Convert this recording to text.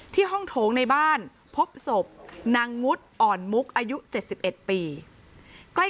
ห้องโถงในบ้านพบศพนางงุดอ่อนมุกอายุ๗๑ปี